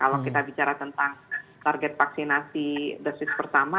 kalau kita bicara tentang target vaksinasi dosis pertama